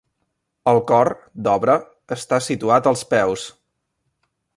El cor, d'obra, està situat als peus.